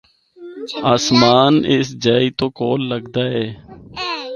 اسمان اس جائی تو کول لگدا اے۔